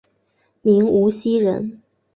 明无锡人。